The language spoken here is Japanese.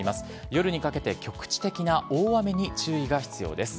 夜にかけて局地的な大雨に注意が必要です。